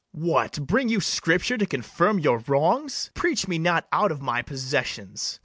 BARABAS. What, bring you Scripture to confirm your wrongs? Preach me not out of my possessions.